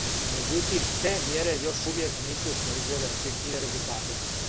Меđутим, те мјере још увијек нису произвеле опипљиве резултате.